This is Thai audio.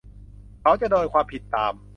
เขาจะโดนความผิดตาม